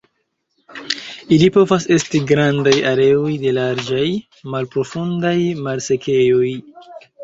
Ili povas esti grandaj areoj de larĝaj, malprofundaj malsekejoj.